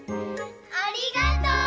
ありがとう！